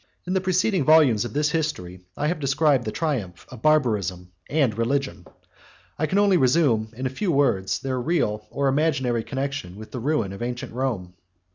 In the preceding volumes of this History, I have described the triumph of barbarism and religion; and I can only resume, in a few words, their real or imaginary connection with the ruin of ancient Rome.